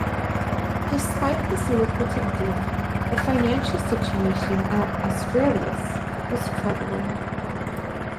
Despite this lucrative deal, the financial situation at Australis was troubling.